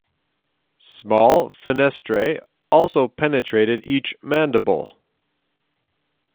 Small fenestrae also penetrated each mandible.